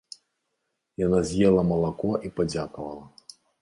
Яна з'ела малако і падзякавала.